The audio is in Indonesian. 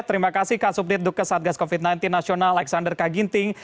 terima kasih kak subdit dukes satgas covid sembilan belas nasional alexander k ginting